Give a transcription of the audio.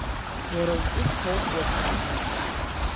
Уара утәы соуп уаҵәынӡа…